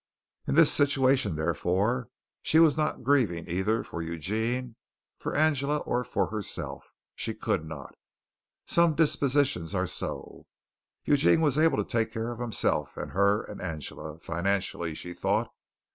In this situation, therefore, she was not grieving either for Eugene, for Angela, or for herself. She could not. Some dispositions are so. Eugene was able to take care of himself and her and Angela financially, she thought.